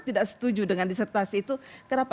tidak setuju dengan disertasi itu kenapa